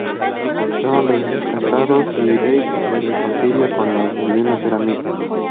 Son rescatados y Dave se reconcilia con Ian volviendo a ser amigos.